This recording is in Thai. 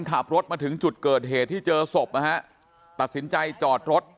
ขับรถมาถึงจุดเกิดเหตุที่เจอศพนะฮะตัดสินใจจอดรถ